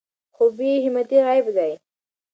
خو بې همتي عیب دی.